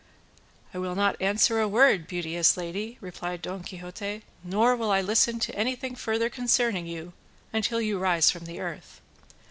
"I will not answer a word, beauteous lady," replied Don Quixote, "nor will I listen to anything further concerning you, until you rise from the earth."